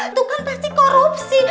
itu kan pasti korupsi